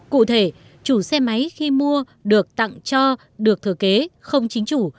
cụ thể chủ xe máy khi mua được tặng cho được thừa kế không chính chủ